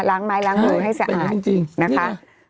ล้างไม้ล้างมือให้สะอาดนะคะ